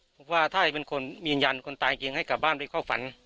ผมว่าถ้าเป็นคนยืนยันคนตายจริงให้กลับบ้านไปเข้าฝัน